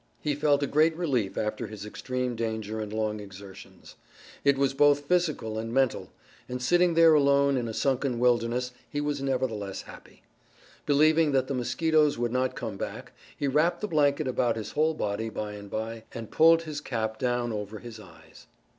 He felt a great relief after his extreme danger and long exertions. It was both physical and mental, and sitting there alone in a sunken wilderness he was nevertheless happy. Believing that the mosquitoes would not come back, he wrapped the blanket about his whole body by and by, and pulled his cap down over his eyes.